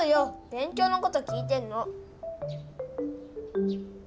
勉強のこと聞いてるの！